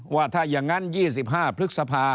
ว่าถ้าอย่างนั้น๒๕พฤษภา